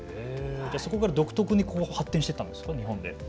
そこから独特に発展していったんですか、日本で。